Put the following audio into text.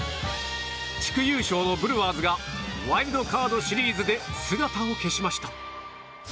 地区優勝のブルワーズがワイルドカードシリーズで姿を消しました。